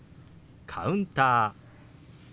「カウンター」。